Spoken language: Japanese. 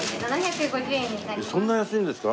そんな安いんですか？